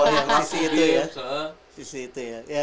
oh yang masih itu ya